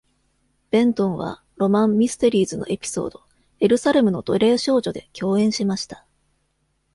ベントンは、『ロマン・ミステリーズ』のエピソード「エルサレムの奴隷少女」で共演しました。